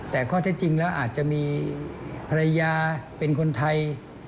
แต่ข้อเท็จจริงแล้วอาจจะมีภรรยาเป็นคนไทย